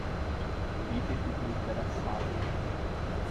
O líder do grupo era sábio.